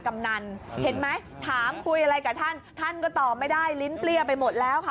กำนันเห็นไหมถามคุยอะไรกับท่านท่านก็ตอบไม่ได้ลิ้นเปรี้ยไปหมดแล้วค่ะ